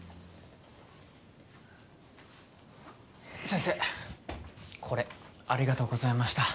先生これありがとうございました。